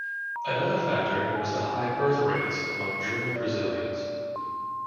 Another factor was the high birth rates among German Brazilians.